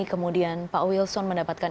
kemudian pak wilson mendapatkan